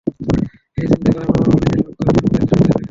এসে ছিনতাই করা মালামালগুলো নিজেরা ভাগ করে নেন পতেঙ্গা সৈকত এলাকায়।